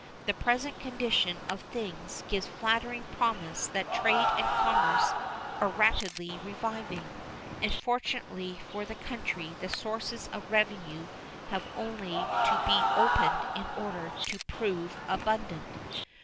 The present condition of things gives flattering promise that trade and commerce are rapidly reviving, and, fortunately for the country, the sources of revenue have only to be opened in order to prove abundant.